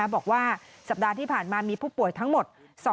บอกว่าสัปดาห์ที่ผ่านมามีผู้ป่วยทั้งหมด